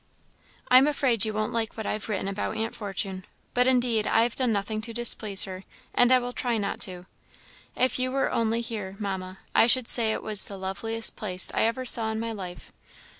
I am afraid you won't like what I have written about Aunt Fortune; but indeed I have done nothing to displease her, and I will try not to. If you were only here, Mamma, I should say it was the loveliest place I ever saw in my life.